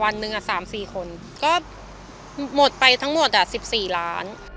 วันหนึ่ง๓๔คนก็หมดไปทั้งหมด๑๔ล้าน